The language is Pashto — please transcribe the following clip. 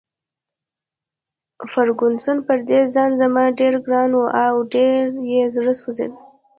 فرګوسن پر دې خان زمان ډېره ګرانه وه او ډېر یې زړه سوځېده.